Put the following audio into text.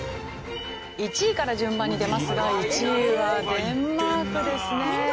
１位から順番に出ますが１位はデンマークですね。